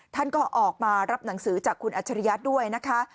ท่านก็ออกมารับหนังสือจากคุณอัจฉริยะด้วยนะคะ